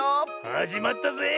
はじまったぜえ。